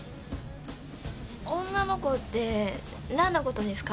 女の子って何のことですか？